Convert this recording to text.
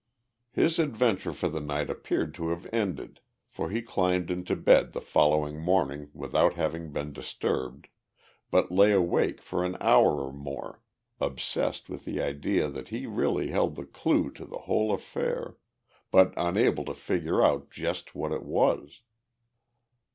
His adventure for the night appeared to have ended, for he climbed into bed the following morning without having been disturbed, but lay awake for an hour or more obsessed with the idea that he really held the clue to the whole affair, but unable to figure out just what it was.